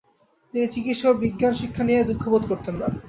তিনি চিকিৎসা ও বিজ্ঞান শিক্ষা নিয়ে দুঃখবোধ করতেন না।